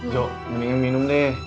jok mendingan minum deh